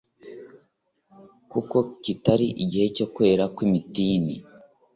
kuko kitari igihe cyo kwera kw’imitini